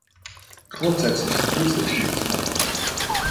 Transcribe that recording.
Grundsätzlich begrüße ich dieses Vorhaben.